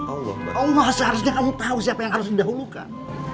allah allah seharusnya kamu tahu siapa yang harus didahulukan